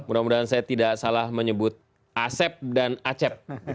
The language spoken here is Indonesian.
mudah mudahan saya tidak salah menyebut asep dan acep